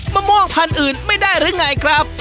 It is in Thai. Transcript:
มะม่วงพันธุ์อื่นไม่ได้หรือไงครับ